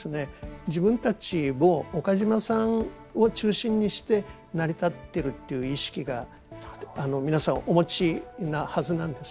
自分たちを岡島さんを中心にして成り立ってるという意識が皆さんお持ちなはずなんですよね。